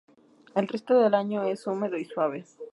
El resto del año es húmedo y suave.